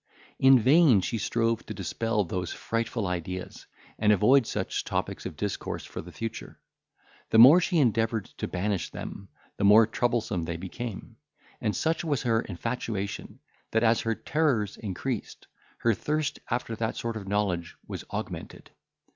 In vain she strove to dispel those frightful ideas, and avoid such topics of discourse for the future. The more she endeavoured to banish them, the more troublesome they became; and such was her infatuation, that as her terrors increased, her thirst after that sort of knowledge was augmented.